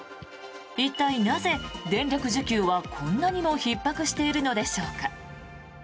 一体、なぜ電力需給はこんなにもひっ迫しているのでしょうか。